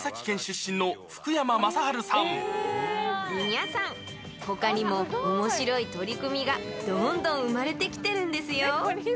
皆さん、ほかにもおもしろい取り組みがどんどん生まれてきてるんですよ。